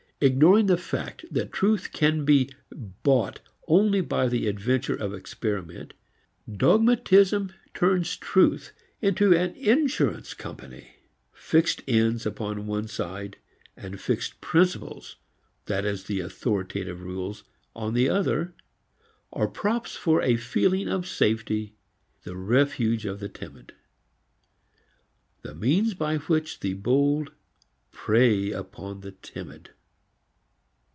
Ignoring the fact that truth can be bought only by the adventure of experiment, dogmatism turns truth into an insurance company. Fixed ends upon one side and fixed "principles" that is authoritative rules on the other, are props for a feeling of safety, the refuge of the timid and the means by which the bold prey upon the timid.